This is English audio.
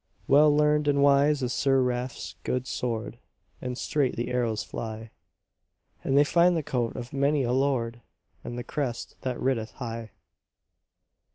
Well learned and wise is Sir Rafe's good sword, And straight the arrows fly, And they find the coat of many a lord, And the crest that rideth high.